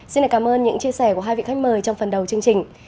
xin cảm ơn những chia sẻ của hai vị khách mời trong phần đầu chương trình